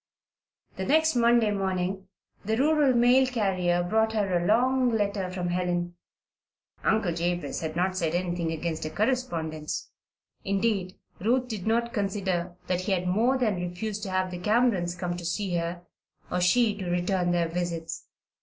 The next Monday morning the rural mail carrier brought her a long letter from Helen. Uncle Jabez had not said anything against a correspondence; indeed, Ruth did not consider that he had more than refused to have the Camerons come to see her or she to return their visits.